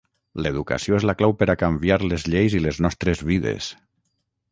L'educació és la clau per a canviar les lleis i les nostres vides.